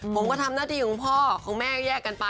ผมก็ทำหน้าที่ของพ่อของแม่แยกกันไป